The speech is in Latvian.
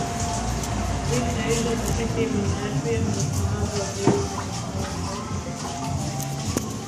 Cik reižu detektīvam Mērfijam būs jāatdod dzīvība par savu valsti?